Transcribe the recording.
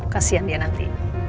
kasian dia nanti